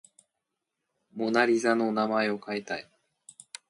モナ・リザの名前を変えたい